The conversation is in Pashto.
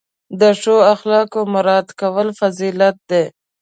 د ښو اخلاقو مراعت کول فضیلت دی.